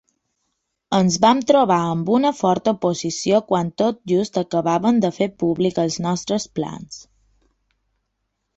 Ens vam trobar amb una forta oposició quan tot just acabàvem de fer públic els nostres plans.